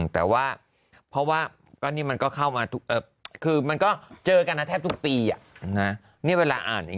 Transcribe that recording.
แต่ว่าเพราะว่านี่มันก็เข้ามาคือมันก็เจอกันนะแทบทุกปีนี่เวลาอ่านเอง